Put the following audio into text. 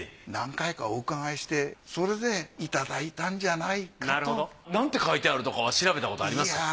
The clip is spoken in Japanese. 何回かお伺いしてそれでいただいたんじゃないかと。なんて書いてあるとかは調べたことあります？